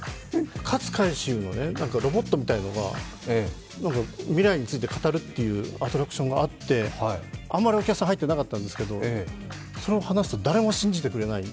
勝海舟のロボットみたいなのが未来について語るというアトラクションがあってあまりお客さん入ってなかったんですけれどもそれを話すと、誰も信じてくれない。